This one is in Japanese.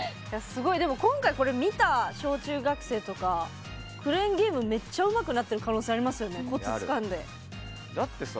すごい、今回、これ見た小中学生とかクレーンゲームめっちゃうまくなっている可能性ありますね。